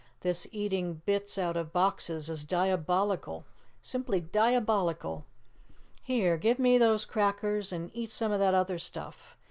This eating bits out of boxes is diabolical simply diabolical! Here, give me those crackers and eat some of that other stuff.